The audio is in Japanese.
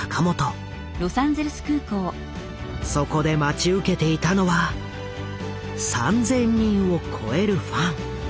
そこで待ち受けていたのは３，０００人を超えるファン。